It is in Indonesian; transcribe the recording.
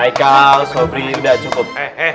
aikau sobri udah cukup